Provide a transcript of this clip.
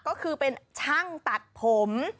ก็คือเป็นช่างตัดผม